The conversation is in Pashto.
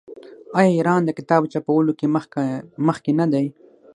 آیا ایران د کتاب چاپولو کې مخکې نه دی؟